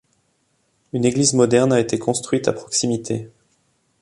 Une église moderne a été construite à proximité.